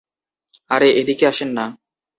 আরে, এদিকে আসেন না।